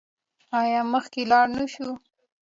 آیا مخکې لاړ نشو؟